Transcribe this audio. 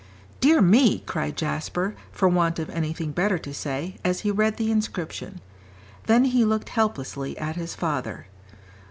"Dear me!" cried Jasper, for want of anything better to say, as he read the inscription. Then he looked helplessly at his father.